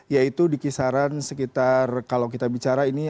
yaitu di kisaran sekitar kalau kita bicara ini